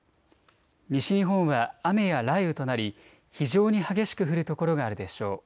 西日本は雨や雷雨となり非常に激しく降る所があるでしょう。